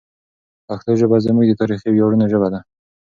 پښتو ژبه زموږ د تاریخي ویاړونو ژبه ده.